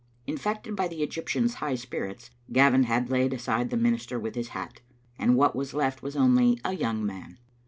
Infected by the Egyptian's high spirits, Gavin had laid aside the minister with his hat, and what was left was only a young man.